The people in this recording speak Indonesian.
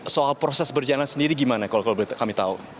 soal proses berjalan sendiri gimana kalau kami tahu